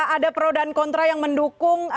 ada pro dan kontra yang mendukung